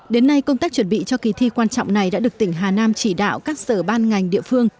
đến nay công tác chuẩn bị cho kỳ thi quan trọng này đã được tỉnh hà nam chỉ đạo các sở ban ngành địa phương